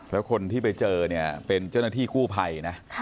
แล้วคนที่ไปเจอเนี่ยเป็นเจ้าหน้าที่กู้ภัยนะ